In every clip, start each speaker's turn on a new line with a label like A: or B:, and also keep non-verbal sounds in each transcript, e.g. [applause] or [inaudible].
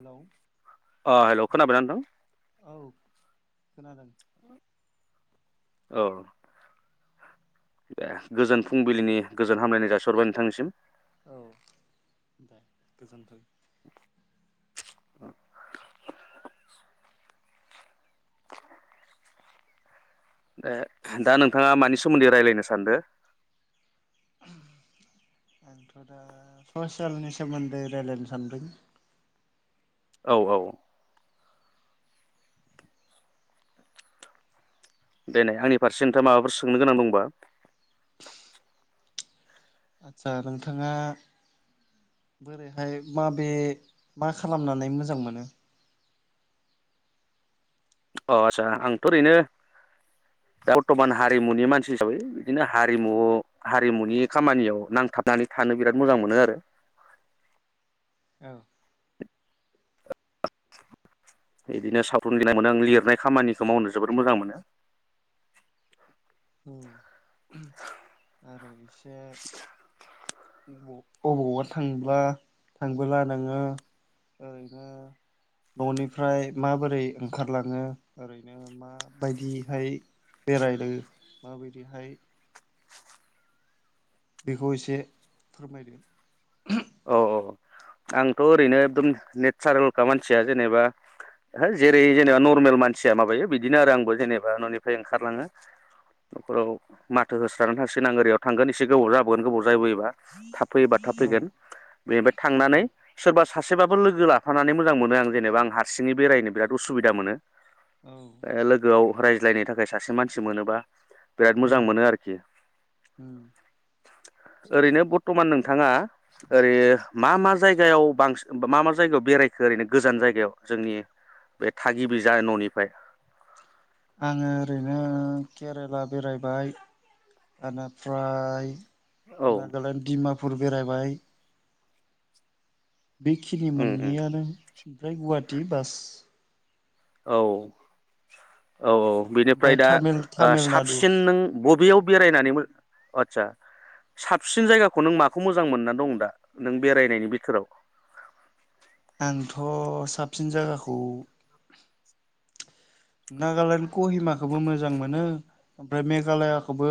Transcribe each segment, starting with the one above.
A: hello
B: ओ hello खोनाबाय ना नोंथां
A: औ खोनादों
B: औ ए गोजोन फुंबिलिनि गोजोन हामलायनाय जासिहरबाय नोंथांनिसिम
A: औ दे गोजोनथों
B: [inaudible] ए दा नोंथाङा मानि सोमोन्दै रायज्लायनो सानदों
A: आंथ' दा ससेलनि सोमोन्दै राय्लायनो सान्दों
B: औ औ दे नै आंनि फारसे नोंथाङा माबाफोर सोंनो गोनां दंबा
A: आदसा नोंथाङा बोरैहाय माबे मा खालामनानै मोजां मोनो
B: अ आचसा आंथ' ओरैनो दा बर्थमान हारिमुनि मानसि हिसाबै बिदिनो हारिमु हारिमुनि खामानियाव नांथाबनानै थानो बिराद मोजां मोनो आरो
A: औ
B: बिदिनो सावथुन गिनाय मोनो आं लिरनाय खामानिखौ मावनो जोबोद मोजां मोनो
A: उम
B: [inaudible]
A: आरो एसेबाव अबावबा थांब्ला थांबोला नोङो ओरैनो न'निफ्राय माबोरै ओंखारलाङो ओरैनो माबायदिहाय बेरायनो माबायदिहाय बेखौ एसे फोरमायलाय
B: औ औ आंथ' ओरैनो एकदम नेचारेलखा मानसिया जेनेबा हो जेरै जेनेबा नर्मेल औ औ मानसिया माबायो बिदिनो आरो आंबो जेनेबा न'निफ्राय ओंखारलाङो न'खराव माथो होस्रनानै थांसिगोन आं ओरैयाव थांगोन एसे गोबाव जाबोगोन गोबाव जाबोयोबा थाबफैयोबा
A: औ
B: थाफैगोन बेनिफ्राय
A: उम
B: थांनानै सोरबा सासेबाबो लोगो लाफानानै मोजां मोनो आं जेनेबा आं हारसिङै बेरायनो बिराद उसुबिदा मोनो
A: औ
B: ए लोगोआव रायज्लायनो थाखाय सासे मानसि मोनोबा बिराद
A: उम
B: मोजां मोनो आरोखि
A: उम
B: ओरैनो बरथमान नोंथाङा ओरै मा मा जायगायाव बांसिन मा मा जायगायाव बेरायखो ओरैनो गोजान जायगायाव जोंनि बे थागिबि न'निफ्राय
A: आङो ओरैनो केरेला बेरायबाय बेनिफ्राय
B: औ
A: नागालेण्ड दिमा फुर बेरायबाय बेखिनि
B: उम उम
A: मोननैयानो ओमफ्राय गुवाहाटि बास
B: औ औ औ
A: ओमफ्राय
B: बेनिफ्राय दा
A: तामिल
B: ओ
A: तामिलनाडु
B: साबसिन नों बबेयाव बेरायनानै आचसा साबसिन जायगाखौ नों माखौ मोजां मोनना दं दा नों बेरायनायनि बिथोराव
A: आंथ' साबसिन जायगाखौ नागालेण्ड कहिमाखौबो मोजां मोनो ओमफ्राय मेघालयाखौबो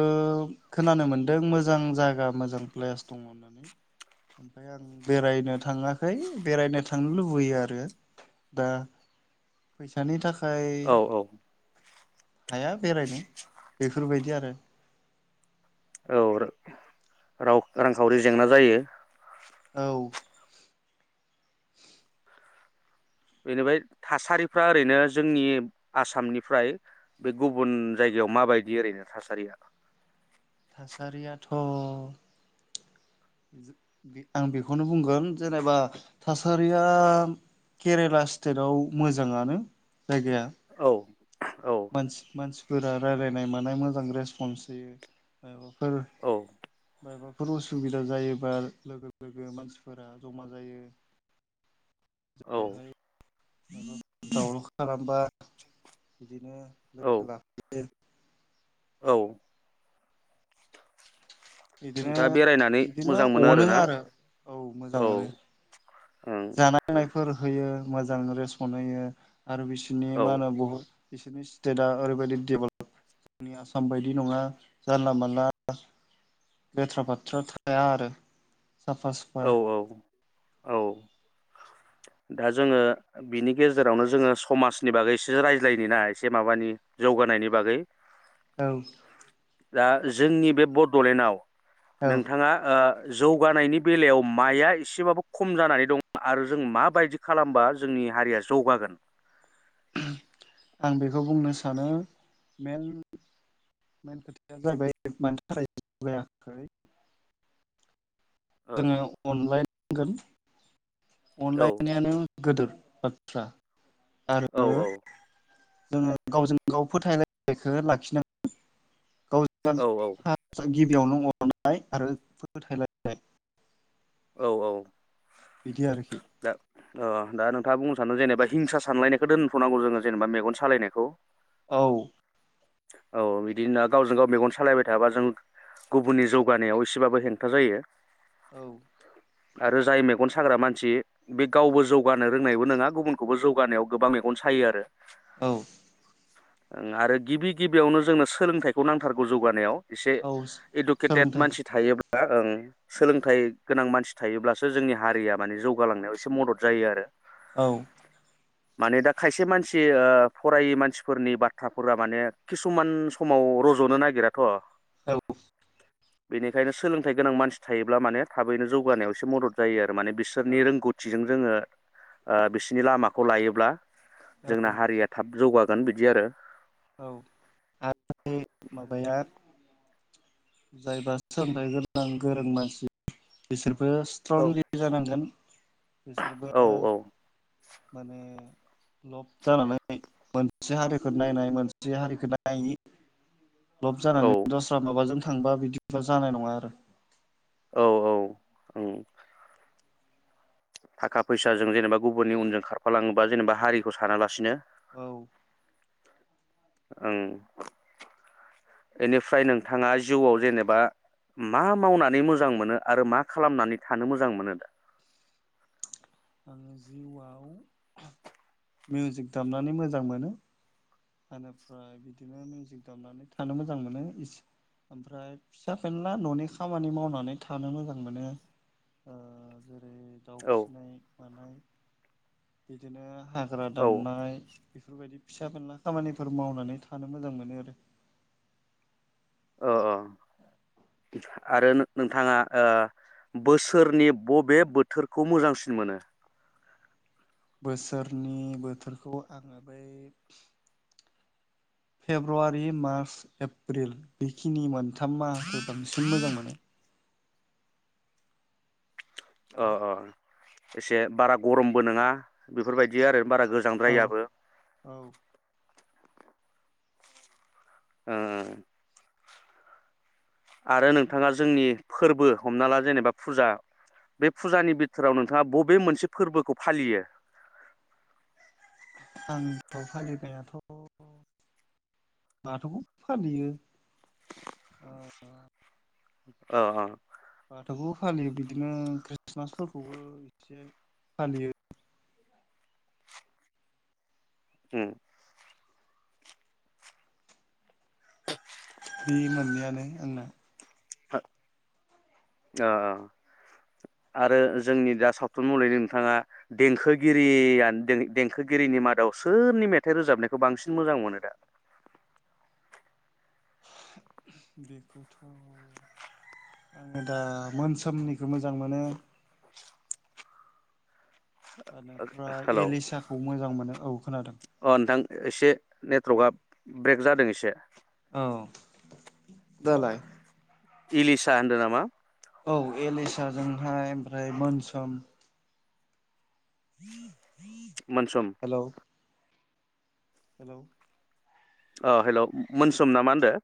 A: खोनानो मोनदों मोजां जागा मोजां प्लेस दङ होननानै ओमफ्राय आं बेरायनो थाङाखै बेरायनो थांनो लुबैयो आरो दा फैसानि थाखाय ओमफाय
B: औ औ
A: हाया बेरायनो बेफोरबायदि आरो
B: औ राव रांखावरि जेंना जायो
A: औ
B: बेनिफ्राय थासारिफ्रा ओरैनो जोंनि आसामनिफ्राय बे गुबुन जायगायाव माबायदि ओरैनो थासारिया
A: थासारियाथ' आं बेखौनो बुंगोन जेनेबा थासारिया केरेला स्टेटाव मोजाङानो जायगाया
B: औ औ
A: मानसि मानसि गोरा रायजलायनाय मानाय मोजां रेसपन्स होयो फोर
B: औ
A: बेफोर उसुबिदा जायोबा लोगो लोगो मानसिफोरा जमा जायो
B: औ
A: बेहाय [unintelligible] दावराव खालामबा बिदिनो
B: औ
A: लोगो लाफैयो
B: औ
A: बिदिनो
B: नोंथाङा बेरायनानै
A: बिदिनो
B: मोजां मोनो
A: अनो
B: आरोना
A: आरो औ मोजां
B: औ
A: मोनो
B: ओं
A: जान [unintelligible] फोर होयो मोजां रेस्पन होयो आरो बिसोरनि
B: औ
A: मा होनो बहुत [unintelligible] बिसोरनि स्टेटआ ओरैबायदि डेभलप जोंनि आसाम बायदि नङा जानला मानला लेथ्रा फाथ्रा थाया आरो साफा सुफा
B: औ औ दा जोङो बिनि गेजेरावनो जोङो समाजनि बागै एसे रायज्लायनि ना एसे माबानि जौगानायनि बागै
A: औ
B: दा जोंनि बे बड'लेण्डआव
A: औ
B: नोंथाङा ओ जौगानायनि बेलायाव माइआ एसेबाबो खम जानानै दं आरो जों मा बे बायदि खालामबा जोंनि हारिया जौगागोन
A: आं बेखौ बुंनो सानो मेन खोथाया जाहैबाय मानो थाखाय जौगायाखै
B: औ
A: जोङो अनलाइन गोन
B: औ
A: अनलायनायानो गोदोर आतसा
B: औ औ
A: जोङो गावजों गाव फोथायलायनायखौ लाखिनांगोन
B: औ
A: गाव [unintelligible] बेयावनो अननाय आरो फोथायलायनाय
B: औ औ
A: बिदि आरोखि
B: दा ओ दा नोंथाङा बुं जेनेबा हिंसा साननायखौ दोनथनांगौ जोङ जेनबा मेगन सालायनायखौ
A: औ
B: औ बिदिनो गावजों गाव मेगन सालायबाय थाबा जों गुबुननि जौगानायाव एसेबाबो हेंथा जायो
A: औ
B: आरो जाय मेगन साग्रा मानसि बे गावबो जौगानो रोंनायबो नोंङा गुबुनखौबो जौगानायाव गोबां मेगन सायो आरो
A: औ
B: आरो गिबि गिबियावनो जोंनो सोलोंथाइखौ नांथारगौ जौगानायाव एसे
A: औ
B: इडुकेटेड
A: सोलोंथाइ
B: मानसि थायोब्ला ओं सोलोंथाइ गोनां मानसि थायोब्लासो जोंनि हारिया मानि जौ गालांनायाव एसे मदद जायो आरो
A: औ
B: माने दा खायसे मानसि ओ फरायै मानसिफोरनि बाथ्राफोरा माने किसुमान समाव रज'नो नागिराथ'
A: औ
B: बेनिखायनो सोलोंथाइ गोनां मानसि थायोब्ला माने थाबैनो जौगानायाव एसे मदद जायो आरो
A: औ
B: माने रोंगौथिजों जोङो ओ बिसिनि लामाखौ लायोब्ला जोंना हारिया थाब जौगा दानो बिदि आरो
A: औ आरो माबाया जायबा सोलोंथाइ गोनां गोरों मानसि बिसोर बो
B: औ
A: स्ट्रंलि जानांगोन बिसोरबो
B: औ औ
A: माने लब जानानै मोनसे हारिखौ नायनाय मोनसे हारिखौ नायि लब
B: औ
A: जानानै दस्रा माबाजों थांबा बिदिबा जानाय नङा आरो
B: औ औ ओं थाखा फैसाजों जेनेबा गुबुननि उनजों खारफालाङोबा जेनेबा हारिखौ सानालासिनो
A: औ
B: ओं बेनिफ्राय नोंथाङा जिउआव जेनेबा मा मावनानै मोजां मोनो आरो मा खालामनानै थानो मोजां मोनो दा
A: आङो जिउआव मिउजिक दामनानै मोजां मोनो बेनिफ्राय बिदिनो मिउजिक दामनानै थानो मोजां मोनो ओमफ्राय फिसा खनला न'नि खामानि मावनानै थानो मोजां मोनो ओ जेरै आरो दाउ
B: औ
A: फिसिनाय मानाय बिदिनो हाग्रा
B: औ
A: दाननाय बेफोरबायदि फिसा फेनला खामानिफोर मावनानै थानो मोजां मोनो आरो
B: अ अ आरो नों नोंथाङा ओ बोसोरनि बबे बोथोरखौ मोजांसिन मोनो
A: बोसोरनि बोथोरखौ आङो बै फेब्रुवारि मार्च एप्रिल बेखिनि मोन थामा आंखौ बांसिन मोजां मोनो
B: अ
A: हेलौ
B: औ एसे बारा गरमबो नङा बेफोरबायदि आरो बारा
A: औ
B: गोजांद्रायाबो
A: औ
B: ओ आरो नोंथाङा जोंनि फोरबो हमना ला जेनेबा फुजा बे फुजानि बिथोराव नोंथाङा बबे मोनसे फोरबोखौ फालियो
A: आंथ' फालिनायाथ' बाथौखौ फालियो अ
B: औ औ
A: बाथौखौबो फालियो बिदिनो ख्रिस्टमासफोरखौबो एसे फालियो
B: उम
A: बे मोननैयानो आंना
B: ओ आरो जोंनि दा सावथुन मुलुगनि नोंथाङा देंखोगिरिया देंखो देंखोगिरिनि मादाव सोरनि मेथाइ रोजाबनायखौ बांसिन मोजां मोनो दा
A: बेखौथ' आङो दा मोनसोमनिखौ मोजां मोनो बेनिफ्राय
B: हेलौ
A: एलिसाखौ मोजां मोनो औ खोनादों
B: अ नोंथां एसे नेटवर्कआ ब्रेक जादों एसे
A: औ दालाय
B: इलिसा होन्दों नामा
A: औ एलेसाजोंहाय ओमफ्राय मोनसोम [inaudible]
B: मोनसोम
A: हेल'
B: अ हेल' मोनसोम ना मा होनदों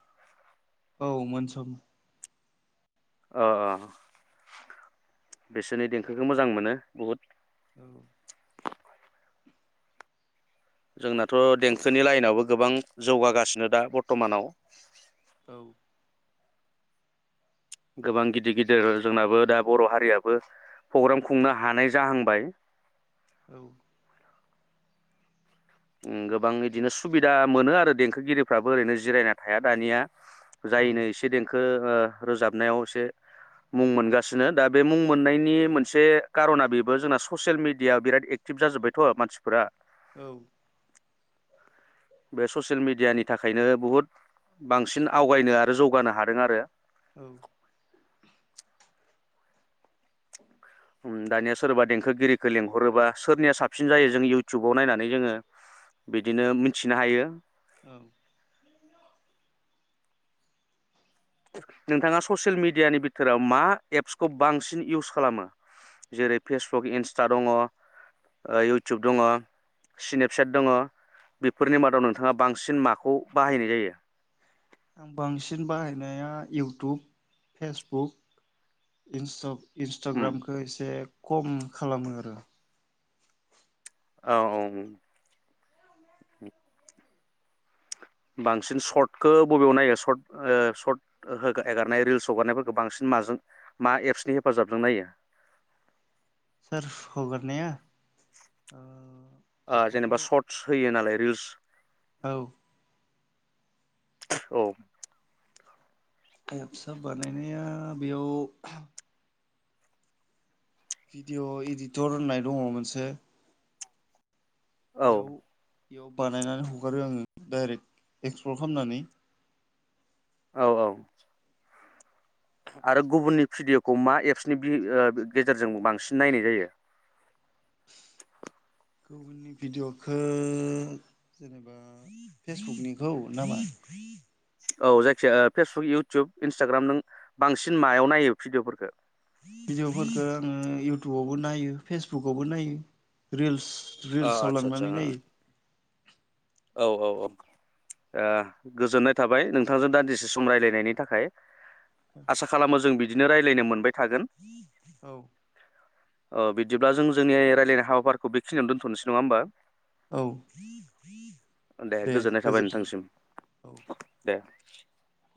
A: औ मोनसोम
B: अ बिसोरनि देंखोखौ मोजां मोनो बुहुद
A: औ
B: जोंनाथ' देंखोनि लाइनावबो गोबां जौगागासिनो दा बर्थ'मानाव
A: औ
B: गोबां गिदिर गिदिर जोंनाबो दा बर' हारियाबो प्रग्राम खुंनो हानाय जाहांबाय
A: औ
B: गोबां बिदिनो सुबिदा मोनो आरो देंखोगिरिफ्राबो ओरैनो जिरायना थाया दानिया जायनो एसे देंखो रोजाबनायाव एसे मुं मोनगासिनो दा बे मुं मोननायनि मोनसे कारना बेबो जोंना ससियेल मेडिया बिराद एक्टिभ जाजोब्बायथ' मानसिफोरा
A: औ
B: बे ससियेल मेडियानि थाखायनो बुहुद बांसिन आवगायनो आरो जौगानो हादों आरो
A: औ [inaudible]
B: दानिया सोरबा देंखोगिरिखौ लेंहरोबा सोरनिया साबसिन जायो जों इउटुबाव नायनानै जोङो बिदिनो मिथिनो हायो
A: औ
B: नोंथाङा ससियेल मेडियानि बिथोराव मा एप्सखौ बांसिन इउस खालामो जेरै फेसबुक इन्स्टा दङ इउटुब दङ स्नेपसेेट दङ बेफोरनि मादाव नोंथाङा बांसिन माखौ बाहायनाय जायो
A: आं बांसिन बाहायनाया इउटुब फेसबुक
B: उम
A: इन्सटाग्रामखौ एसे खम खालामो आरो
B: औ औ औ उम बांसिन शर्टखौ बबेयाव नायो शर्ट एगारनाय रिल्स हगारनायफोरखौ बांसिन माजों मा एप्सनि हेफाजाबजों नायो
A: हगारनाया ओ बेखौथ'
B: जेनेबा सर्टस होयो नालाय रिल्स
A: औ
B: औ
A: एबसा बानायनाया बेयाव भिडिअ' इदिटर होननाय दङ मोनसे
B: औ
A: बेयाव बेयाव बानायनानै हगारो आङो डाइरेक्ट एक्सप्लर खालामनानै
B: औ औ आरो गुबुननि भिडिअ'खौ मा एप्सनि गेजेरजों बांसिन नायनाय जायो
A: गुबुननि भिडिय'खौ जेनेबा ओ फेसबुकनिखौ नामा
B: औ जायखिजया फेसबुक इउटुब इन्सटाग्राम नों बांसिन मायाव नायो भिडिअफोरखौ
A: भिडिअफोरखौ आङो इउटुबावबो नायो फेसबुकवबो नायो रिल्स
B: अ
A: रिल्साव
B: आदसा आदसा
A: लांनानै नायो
B: औ औ औ गोजोननाय थाबाय नोंथांजों दान्दिसे सम रायलायनायनि थाखाय आसा खालामो जों बि बिदिनो रायलायनो मोनबाय थागोन
A: औ
B: अ बिदिब्ला जों जोंनि रायज्लायनाय हाबाफारिखौ बेखिनियाव दोनथनोसै नङा होमबा
A: औ
B: दे गोजोननाय थाबाय नोंथांसिम
A: औ
B: दे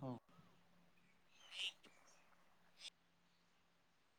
A: औ
B: [inaudible]